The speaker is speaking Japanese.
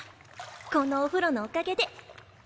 このお風呂のおかげで。